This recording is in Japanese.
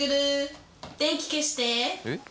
「えっ？」